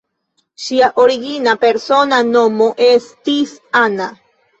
Ŝia origina persona nomo estis "Anna".